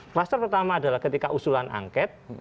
kluster pertama adalah ketika usulan angket